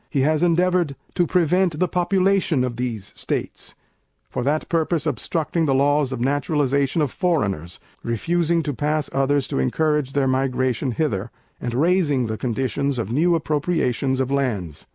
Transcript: He has endeavoured to prevent the population of these States; for that purpose obstructing the Laws of Naturalization of Foreigners; refusing to pass others to encourage their migration hither, and raising the conditions of new Appropriations of Lands.